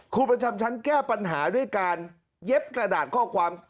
ครูประจำชั้นแก้ปัญหาด้วยการเย็บกระดาษข้อความ